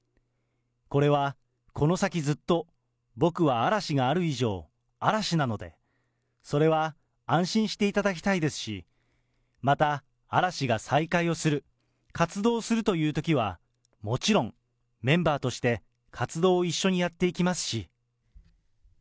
これは、この先ずっと、僕は嵐がある以上、嵐なので、それは安心していただきたいですし、また嵐が再開をする、活動するというときは、もちろん、メンバーとして活動を一緒にやっていきますし。